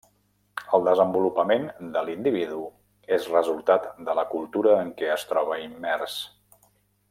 El desenvolupament de l'individu és resultat de la cultura en què es troba immers.